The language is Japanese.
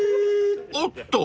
［おっと］